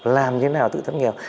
làm thế nào để tự thoát nghèo